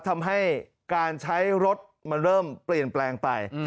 ทำให้การใช้รถมันเริ่มเปลี่ยนแปลงไป